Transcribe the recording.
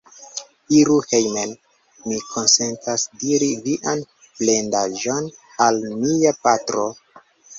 Iru hejmen: mi konsentas diri vian plendaĵon al mia patro!